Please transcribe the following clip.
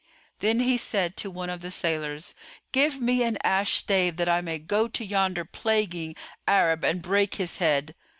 Then he said to one of the sailors, "Give me an ash[FN#432] stave, that I may go to yonder plaguing Arab and break his head."